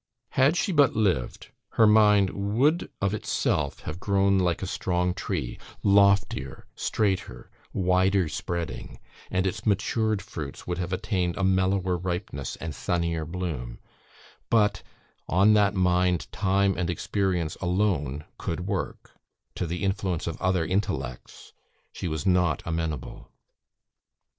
Had she but lived, her mind would of itself have grown like a strong tree loftier, straighter, wider spreading and its matured fruits would have attained a mellower ripeness and sunnier bloom; but on that mind time and experience alone could work; to the influence of other intellects she was not amenable."